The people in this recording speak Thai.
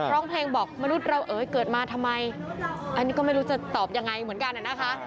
ร้องเพลงบอกมนุษย์เราเอ๋ยเกิดมาทำไมอันนี้ก็ไม่รู้จะตอบยังไงเหมือนกันนะคะ